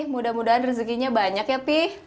mudah mudahan rezeki nya banyak ya pi